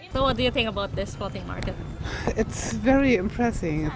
ya kami suka berada di sini